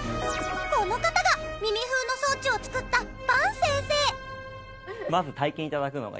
この方が耳フーの装置を作った伴先生。